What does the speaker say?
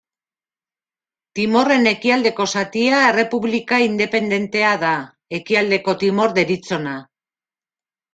Timorren ekialdeko zatia errepublika independentea da, Ekialdeko Timor deritzona.